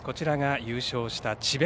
優勝した智弁